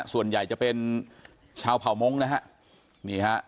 ส่วนใหญ่จะเป็นชาวเผ่ามงค์นะฮะนี่ฮะ